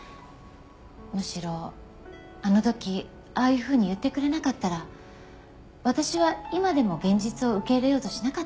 むしろあの時ああいうふうに言ってくれなかったら私は今でも現実を受け入れようとしなかったわ。